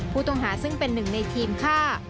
ผู้ต้องหาซึ่งเป็นหนึ่งในทีมฆ่า